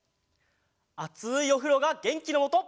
あついおふろがげんきのもと！